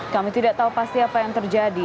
kami tidak tahu pasti apa yang terjadi